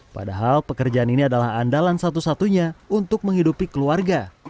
padahal pekerjaan ini adalah andalan satu satunya untuk menghidupi keluarga